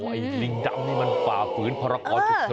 โอ้โฮลิงดำนี่มันฝ่าฝืนพระราชุเชิญ